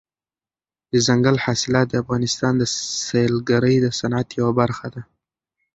دځنګل حاصلات د افغانستان د سیلګرۍ د صنعت یوه برخه ده.